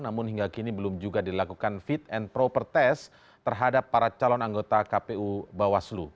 namun hingga kini belum juga dilakukan fit and proper test terhadap para calon anggota kpu bawaslu